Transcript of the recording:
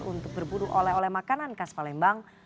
untuk berburu oleh oleh makanan khas palembang